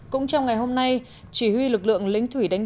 cũng trong ngày hôm nay chỉ huy lực lượng lính thủy đánh bộ mỹ